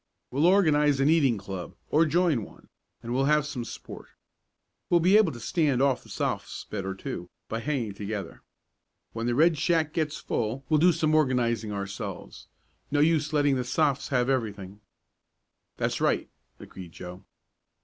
"We'll organize an eating club, or join one, and we'll have some sport. We'll be able to stand off the Sophs. better, too, by hanging together. When the Red Shack gets full we'll do some organizing ourselves. No use letting the Sophs. have everything." "That's right," agreed Joe.